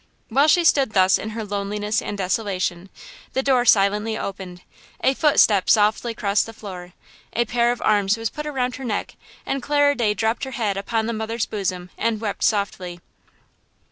While she stood thus in her loneliness and desolation, the door silently opened, a footstep softly crossed the floor, a pair of arms was put around her neck, and Clara Day dropped her head upon the mother's bosom and wept softly.